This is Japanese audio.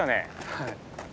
はい。